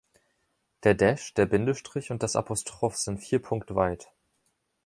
Der Dash, der Bindestrich und das Apostroph sind vier Punkt weit.